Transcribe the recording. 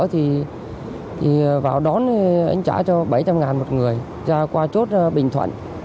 thì vào đón anh trả cho bảy trăm linh ngàn một người ra qua chốt bình thoạn